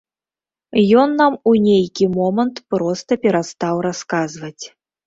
Ён нам у нейкі момант проста перастаў расказваць.